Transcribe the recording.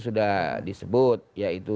sudah disebut yaitu